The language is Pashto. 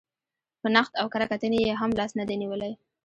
په نقد او کره کتنې یې هم لاس نه دی نېولی.